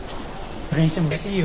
それにしてもうれしいよ。